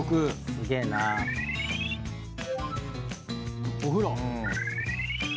すげえな。お風呂。